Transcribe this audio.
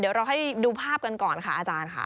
เดี๋ยวเราให้ดูภาพกันก่อนค่ะอาจารย์ค่ะ